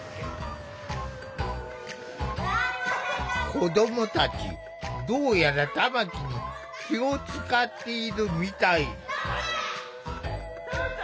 子どもたちどうやら玉木に気を遣っているみたい。